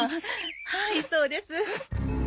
はいそうです。